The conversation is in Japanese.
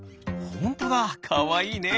ほんとだかわいいね！